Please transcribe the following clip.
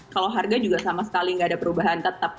kalau harga juga sama sekali nggak ada perubahan tetap